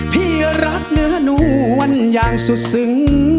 พี่รักเนื้อนวลอย่างสุดซึ้ง